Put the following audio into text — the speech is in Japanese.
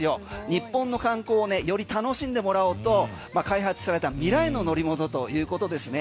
日本の観光をより楽しんでもらおうと開発された未来の乗り物ということですね。